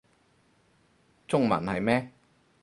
中文係咩